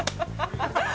ハハハ！